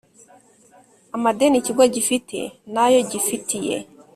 amadeni ikigo gifitiwe n ayo gifitiye